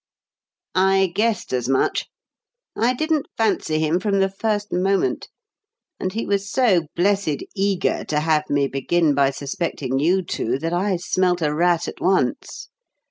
"I guessed as much. I didn't fancy him from the first moment; and he was so blessed eager to have me begin by suspecting you two, that I smelt a rat at once.